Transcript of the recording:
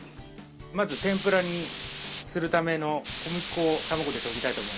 まず天ぷらにするための小麦粉を卵で溶きたいと思います。